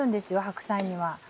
白菜には。